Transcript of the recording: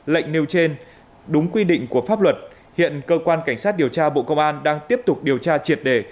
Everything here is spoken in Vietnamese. lệnh nêu trên đúng quy định của pháp luật hiện cơ quan cảnh sát điều tra bộ công an đang tiếp tục điều tra triệt đề